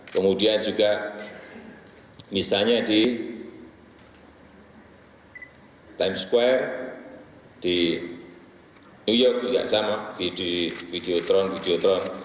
kemudian juga misalnya di times square di new york juga sama videotron videotron